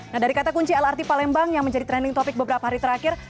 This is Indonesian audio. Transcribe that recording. nah dari kata kunci lrt palembang yang menjadi trending topic beberapa hari terakhir